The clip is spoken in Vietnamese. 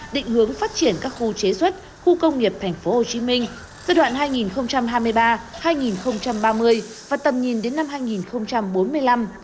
định hướng phát triển các khu chế xuất khu công nghiệp tp hcm giai đoạn hai nghìn hai mươi ba hai nghìn ba mươi và tầm nhìn đến năm hai nghìn bốn mươi năm